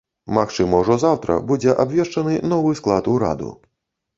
Магчыма, ужо заўтра будзе абвешчаны новы склад ураду.